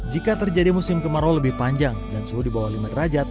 jika terjadi musim kemarau lebih panjang dan suhu di bawah lima derajat